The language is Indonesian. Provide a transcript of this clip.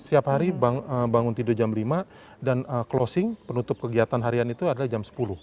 setiap hari bangun tidur jam lima dan closing penutup kegiatan harian itu adalah jam sepuluh